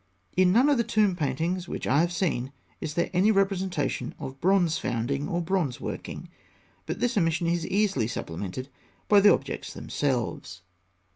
In none of the tomb paintings which I have seen is there any representation of bronze founding or bronze working; but this omission is easily supplemented by the objects themselves.